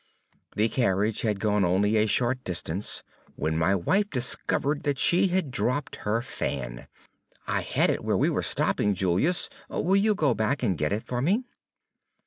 The carriage had gone only a short distance when my wife discovered that she had dropped her fan. "I had it where we were stopping. Julius, will you go back and get it for me?"